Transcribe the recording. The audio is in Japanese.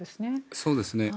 そうですね。